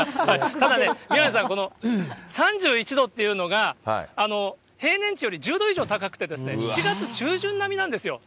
ただね、宮根さん、この３１度っていうのが、平年値より１０度以上高くて、７月中旬並みなんですよ。